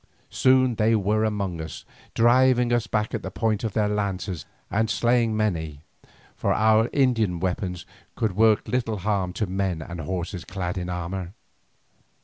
Soon they were among us, driving us back at the point of their lances, and slaying many, for our Indian weapons could work little harm to men and horses clad in armour.